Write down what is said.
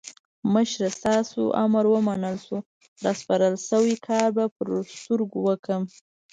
مشره تاسو امر ومنل شو؛ راسپارل شوی کار به پر سترګو وکړم.